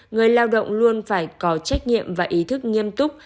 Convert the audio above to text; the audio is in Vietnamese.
người lao động luôn phải có trách nhiệm và ý thức nghiêm túc